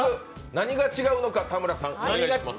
何が違うのか、田村さんお願いします。